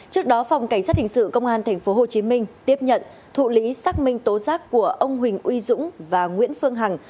trước đó phòng cảnh sát hình sự công an tp hcm tiếp nhận thụ lý xác minh tố giác của ông huỳnh uy dũng và nguyễn phương hằng